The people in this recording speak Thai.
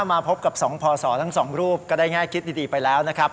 มาพบกับ๒พศทั้งสองรูปก็ได้แง่คิดดีไปแล้วนะครับ